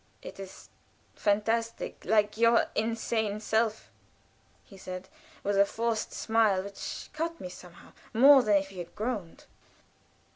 "It is fantastic, like your insane self," he said, with a forced smile, which cut me, somehow, more than if he had groaned.